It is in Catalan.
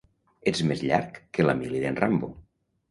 Ets més llarg que la mili d'en Rambo.